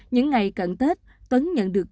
những ngày cận tết tuấn nhận được